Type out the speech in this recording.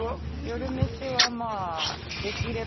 夜飯はまあ。